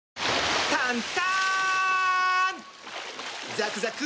ザクザク！